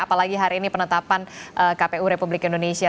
apalagi hari ini penetapan kpu republik indonesia